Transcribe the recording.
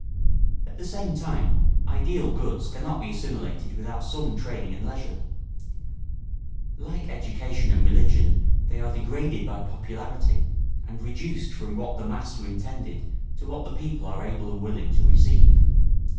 At the same time ideal goods cannot be assimilated without some training and leisure. Like education and religion they are degraded by popularity, and reduced from what the master intended to what the people are able and willing to receive.